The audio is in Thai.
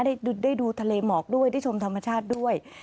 ได้ดูทะเลหมอกด้วยได้ชมธรรมชาติด้วย